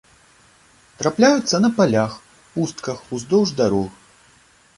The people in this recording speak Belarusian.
Трапляюцца на палях, пустках, уздоўж дарог.